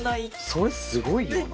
それすごいよな。